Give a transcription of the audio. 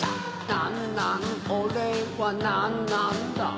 なんなんおれはなんなんだ